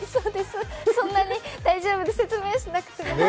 そんなに大丈夫です説明してなくても。